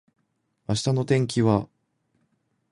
明日の天気は？